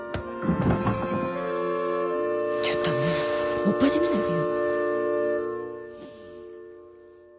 ちょっともうおっぱじめないでよ。